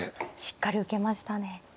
しっかり受けましたね。